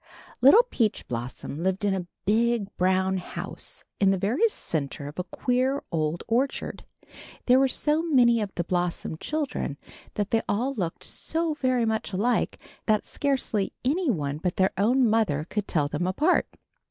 Little Peach Blossom lived in a big, brown house in the very center of a queer old or chard. There were so many of the Blossom children and they all looked so very much alike that scarcely any one but their own mother could tell them apart.